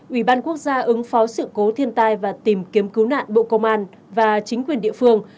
ủy ban quốc gia ứng phó sự cố thiên tai và tìm kiếm cứu nạn bộ công an và chính quyền địa phương